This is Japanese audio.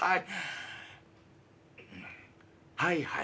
はいはい。